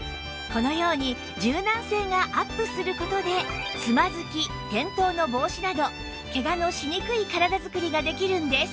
このように柔軟性がアップする事でつまずき転倒の防止などケガのしにくい体づくりができるんです